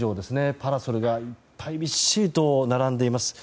パラソルがいっぱいびっしりと並んでいます。